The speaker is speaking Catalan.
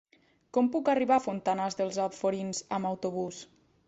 Com puc arribar a Fontanars dels Alforins amb autobús?